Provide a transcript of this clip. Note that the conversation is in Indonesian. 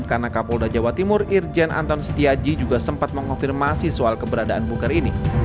karena kapolda jawa timur irjen anton setiaji juga sempat mengonfirmasi soal keberadaan bunker ini